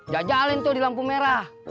jajalin tuh di lampu merah